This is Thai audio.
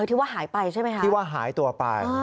ที่ว่าหายไปใช่ไหมคะที่ว่าหายตัวไป